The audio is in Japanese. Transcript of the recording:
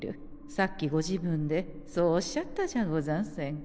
さっきご自分でそうおっしゃったじゃござんせんか。